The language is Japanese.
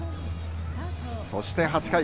そして、８回。